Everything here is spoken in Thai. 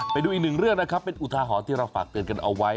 ไปดูอีกหนึ่งเรื่องนะครับเป็นอุทาหรณ์ที่เราฝากเตือนกันเอาไว้